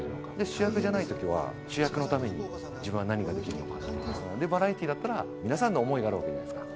主役じゃないときは、主役のために自分は何ができるのか、バラエティーだったら、皆さんの思いがあるわけじゃないですか。